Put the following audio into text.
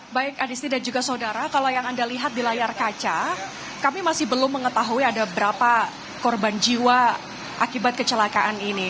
baik adisti dan juga saudara kalau yang anda lihat di layar kaca kami masih belum mengetahui ada berapa korban jiwa akibat kecelakaan ini